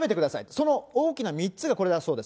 その大きな３つがこれだそうです。